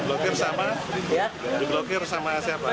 oh gitu ya diblokir sama siapa